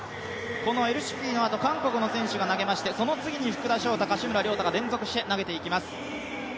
このエルシフィのあと、韓国の選手が投げまして、その次に福田翔大、柏村亮太が連続して投げていきます。